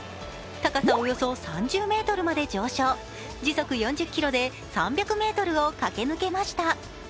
高さおよそ３０ｍまで上昇、時速４０キロで３００ｍを駆け抜けました。